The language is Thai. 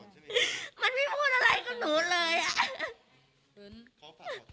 จริง